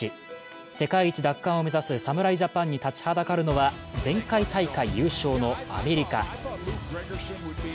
世界一奪還を目指す侍ジャパンに立ちはだかるのは、前回大会優勝のアメリカ。